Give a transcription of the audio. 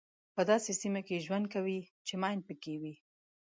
په داسې سیمه کې ژوند کوئ چې ماین پکې وي.